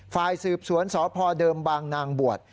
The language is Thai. ฝ่ายสืบสวนสพเดิมบางนางบวช